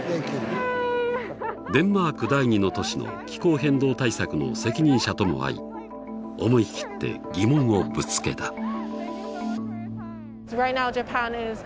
デンマーク第２の都市の気候変動対策の責任者とも会い思い切って疑問をぶつけた。